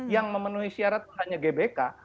yang memenuhi syarat itu hanya gbk